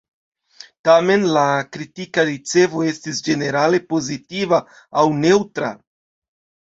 Tamen, la kritika ricevo estis ĝenerale pozitiva aŭ neŭtra.